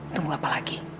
tunggu apa lagi